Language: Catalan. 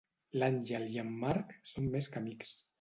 L'Àngel i en Marc són més que amics.